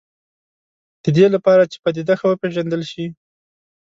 د دې لپاره چې پدیده ښه وپېژندل شي.